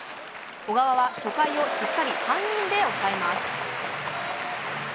小川は初回をしっかり３人で抑えます。